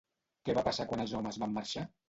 Què va passar quan els homes van marxar?